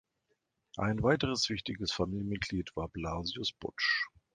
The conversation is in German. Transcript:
Ein weiteres wichtiges Familienmitglied war Blasius Botsch.